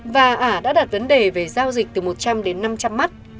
và à đã đặt vấn đề về giao dịch từ một trăm linh đến năm trăm linh mắt